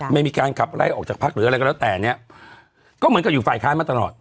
ไม่มีการขับไล่ออกจากพักหรืออะไรก็แล้วแต่เนี่ยก็เหมือนกับอยู่ฝ่ายค้านมาตลอด